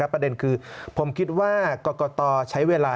ประเด็นคือผมคิดว่ากรกตใช้เวลา